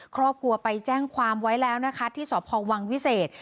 ครอบครัวไปแจ้งความไว้แล้วนะคะที่สพวังวิเศษ